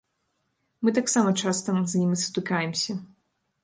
Мы таксама часам з імі сутыкаемся.